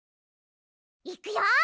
いくよ！